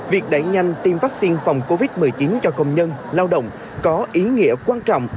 việc đẩy nhanh tiêm vaccine phòng covid một mươi chín cho công nhân lao động có ý nghĩa quan trọng